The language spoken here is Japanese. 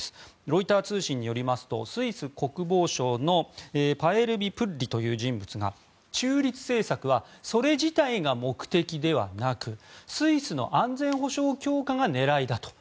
ロイター通信によりますとスイス国防省のパエルビ・プッリという人物が中立政策はそれ自体が目的ではなくスイスの安全保障強化が狙いだと。